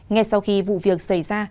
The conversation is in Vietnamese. ngay sau khi vụ việc xảy ra